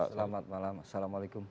selamat malam assalamualaikum